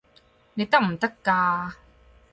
你得唔得㗎？